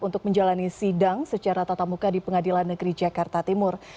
untuk menjalani sidang secara tatap muka di pengadilan negeri jakarta timur